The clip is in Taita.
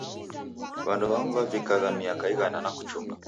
W'andu w'amu w'avikagha miaka ighana na kuchumba.